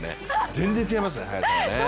全然、違いますね、速さがね。